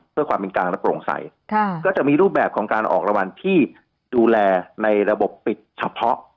เพื่อความเป็นกลางและโปร่งใสก็จะมีรูปแบบของการออกรางวัลที่ดูแลในระบบปิดเฉพาะ